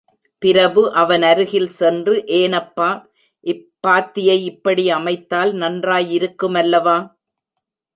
பிரபு அவனருகில் சென்று, ஏனப்பா, இப்பாத்தியை இப்படி அமைத்தால் நன்றாயிருக்கு மல்லவா?